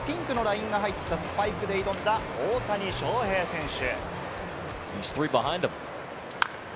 母の日に合わせてピンクのラインが入ったスパイクで挑んだ大谷翔平選手。